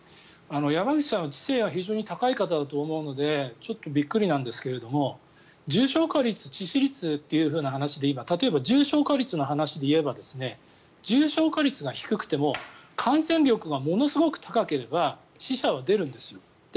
山口さんは知性が非常に高い方だと思うのでちょっとびっくりなんですが重症化率、致死率という話で例えば重症化率の話でいえば重症化率が低くても感染力がものすごく高ければ死者は出るんですよ。